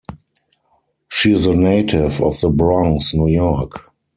She is a native of The Bronx, New York.